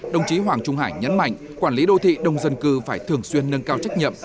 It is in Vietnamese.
đồng chí hoàng trung hải nhấn mạnh quản lý đô thị đông dân cư phải thường xuyên nâng cao trách nhiệm